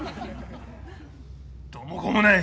どうもこうもない。